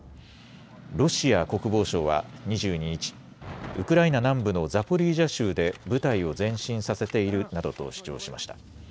ロシア国防省は２２日、ウクライナ南部のザポリージャ州で部隊を前進させているなどと主張しました。